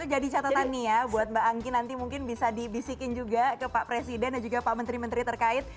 jadi jadi catatan nih ya buat mbak angky nanti mungkin bisa dibisikin juga ke pak presiden dan juga pak menteri menteri terkait